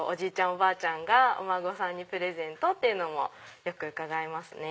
おばあちゃんがお孫さんにプレゼントというのもよく伺いますね。